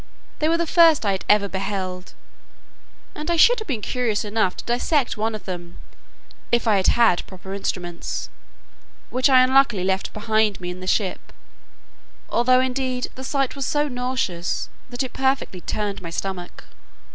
They were the first I had ever beheld, and I should have been curious enough to dissect one of them, if I had had proper instruments, which I unluckily left behind me in the ship, although, indeed, the sight was so nauseous, that it perfectly turned my stomach.